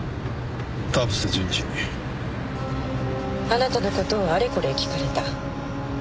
あなたの事をあれこれ聞かれた。